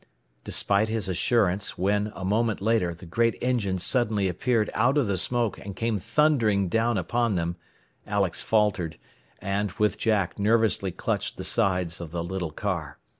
Despite his assurance, when, a moment later, the great engine suddenly appeared out of the smoke and came thundering down upon them, Alex faltered, and, with Jack, nervously clutched the sides of the little car.